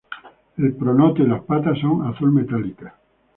El pronoto y las patas son azul metálicas.